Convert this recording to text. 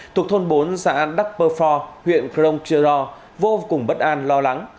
thuộc thôn bốn xã đắk pơ phò huyện kronk chơ rò vô cùng bất an lo lắng